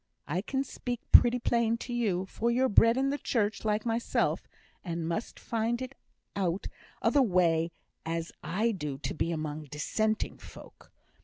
I can speak pretty plain to you, for you're bred in the Church like mysel', and must find it as out o' the way as I do to be among dissenting folk.